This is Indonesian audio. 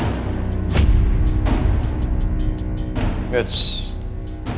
mau ngapain lo duluan gue